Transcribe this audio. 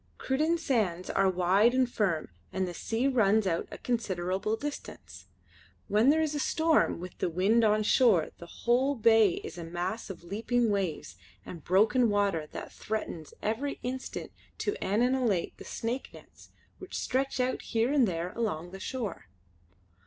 Cruden sands are wide and firm and the sea runs out a considerable distance. When there is a storm with the wind on shore the whole bay is a mass of leaping waves and broken water that threatens every instant to annihilate the stake nets which stretch out here and there along the shore.